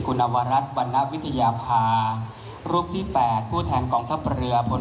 ถือว่าชีวิตที่ผ่านมายังมีความเสียหายแก่ตนและผู้อื่น